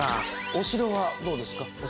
お城はどうですか？